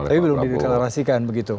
tapi belum di deklarasikan begitu